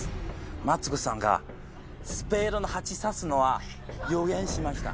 マツコさんがスペードの８指すのは予言しました。